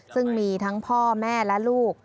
ซึ่งมีทั้งพ่อแม่และลูก